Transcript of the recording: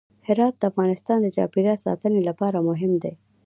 هرات د افغانستان د چاپیریال ساتنې لپاره مهم دی.